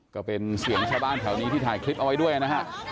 ก็เป็นเสียงชาวบ้านแถวนี้ที่ถ่ายคลิปเอาไว้ด้วยนะฮะ